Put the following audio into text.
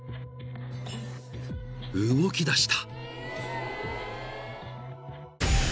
［動きだした］